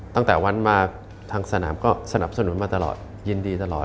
ตั้งแต่วันมาทางสนามก็สนับสนุนมาตลอดยินดีตลอด